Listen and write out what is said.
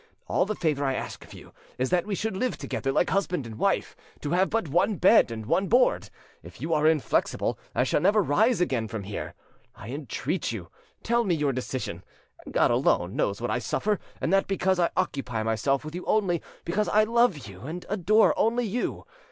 All the favour I ask of you is that we should live together like husband and wife, to have but one bed and one board: if you are inflexible, I shall never rise again from here. I entreat you, tell me your decision: God alone knows what I suffer, and that because I occupy myself with you only, because I love and adore only you.